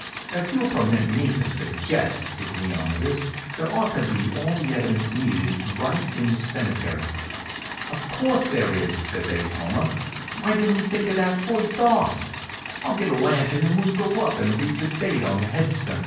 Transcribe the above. "If you'll permit me to suggest," says Leonidas, "there ought to be all the evidence needed right in the cemetery." "Of course there is!" says Ase Horner. "Why didn't we think of that first off? I'll get a lantern and we'll go up and read the date on the headstun."